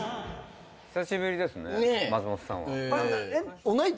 久しぶりですね松本さんは。同い年？